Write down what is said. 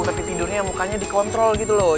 tapi tidurnya mukanya dikontrol gitu loh